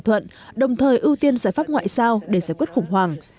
thuận đồng thời ưu tiên giải pháp ngoại giao để giải quyết khủng hoảng